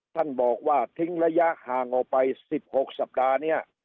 ท่านบอกว่าทิ้งระยะห่างออกไป๑๖สัปดาห์นี้